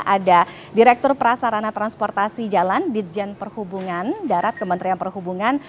ada direktur prasarana transportasi jalan ditjen perhubungan darat kementerian perhubungan